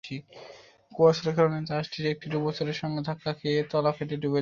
কুয়াশার কারণে জাহাজটি একটি ডুবোচরের সঙ্গে ধাক্কা খেয়ে তলা ফেটে ডুবে যায়।